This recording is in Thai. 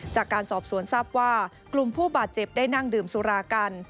จากการสอบสวนทราบว่ากลุ่มผู้บาดเจ็บได้นั่งดื่มสุรากัน